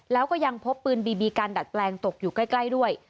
แล้วก็ยังพบปืนบีบีกันดัดแปลงตกอยู่ใกล้ด้วย